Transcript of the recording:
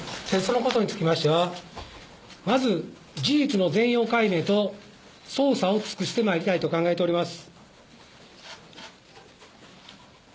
のことにつきましては、まず事実の全容解明と、捜査を尽くしてまいりたいと考えております。